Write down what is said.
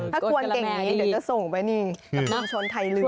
อ่อถ้ากวนเก่งนี้เดี๋ยวจะส่งไปที่ชนไทยลด